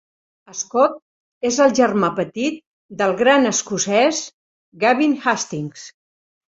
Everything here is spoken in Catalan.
Scott és el germà petit del gran escocès Gavin Hastings.